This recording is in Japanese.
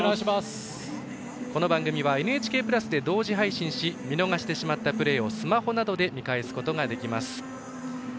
この番組はＮＨＫプラスで同時配信し見逃してしまったプレーをスマートフォンなどで見返すことができます。